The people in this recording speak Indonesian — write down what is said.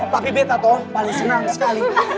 tapi beta toh paling senang sekali